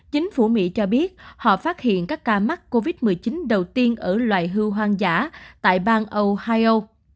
chính phủ mỹ cho biết họ phát hiện các ca mắc covid một mươi chín đầu tiên ở loài hư hoang dã tại bang ohio